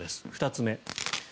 ２つ目